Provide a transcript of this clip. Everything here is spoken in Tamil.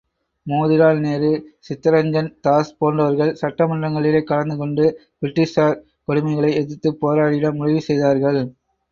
மோதிலால் நேரு, சித்தரஞ்சன் தாஸ் போன்றவர்கள், சட்டமன்றங்களிலே கலந்து கொண்டு, பிரிட்டிஷார் கொடுமைகளை எதிர்த்துப் போராடிட முடிவு செய்தார்கள்.